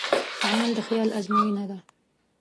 عمل د خیال ازموینه ده.